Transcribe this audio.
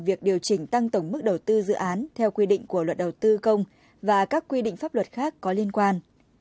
việc điều chỉnh tăng tổng mức đầu tư dự án theo quy định của luật đầu tư công và các quy định pháp luật khác có liên quan